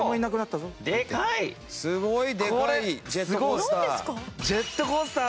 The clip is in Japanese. すごい！